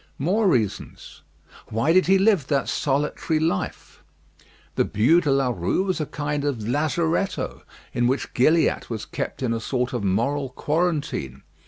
More reasons: why did he live that solitary life? The Bû de la Rue was a kind of lazaretto, in which Gilliatt was kept in a sort of moral quarantine.